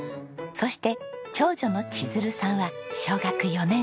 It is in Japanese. そして長女の千鶴さんは小学４年生。